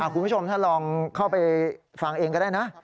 คุณผู้ชมถ้าลองเข้าไปฟังเองก็ได้นะ